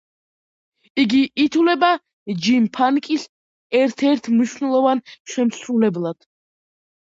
იგი ითვლება ჯი ფანკის ერთ-ერთ მნიშვნელოვან შემსრულებლად.